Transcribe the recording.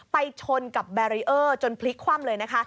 ไปชนกับจนพลิกคว่ำเลยนะคะ